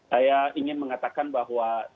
saya ingin mengatakan bahwa